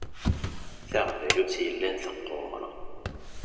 Taɣbalut yellan teqqur.